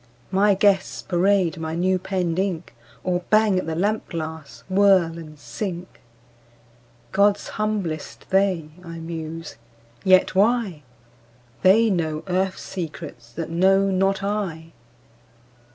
—My guests parade my new penned ink, Or bang at the lamp glass, whirl, and sink. "God's humblest, they!" I muse. Yet why? They know Earth secrets that know not I.